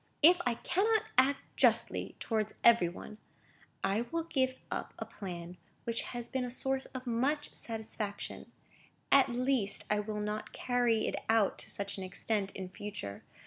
"If I cannot act justly towards every one, I will give up a plan which has been a source of much satisfaction; at least, I will not carry it out to such an extent in future.